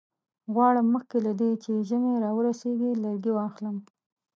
غواړم مخکې له دې چې ژمی را ورسیږي لرګي واخلم.